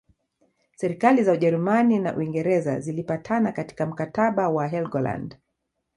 Serikali za Ujerumani na Uingereza zilipatana katika mkataba wa Helgoland